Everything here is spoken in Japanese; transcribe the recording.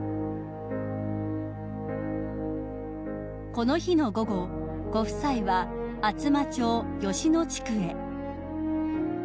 ［この日の午後ご夫妻は厚真町吉野地区へ］